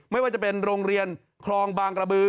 ไม่ว่าจะเป็นโรงเรียนคลองบางกระบือ